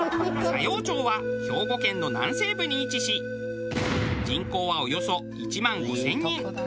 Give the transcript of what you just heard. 佐用町は兵庫県の南西部に位置し人口はおよそ１万５０００人。